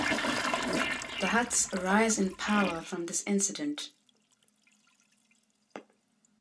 The Hutts rise in power from this incident.